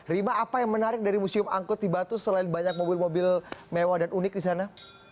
rima apa yang menarik dari museum angkut di batu selain banyak mobil mobil mewah dan unik di sana